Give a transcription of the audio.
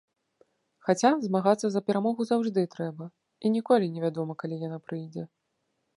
Хаця змагацца за перамогу заўжды трэба, і ніколі не вядома, калі яна прыйдзе.